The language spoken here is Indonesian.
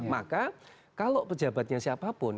maka kalau pejabatnya siapapun